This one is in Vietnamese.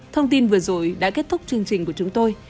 thông tin vừa rồi đã kết thúc chương trình của chúng tôi